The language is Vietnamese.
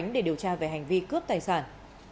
để điều tra về hành vi cướp tài sản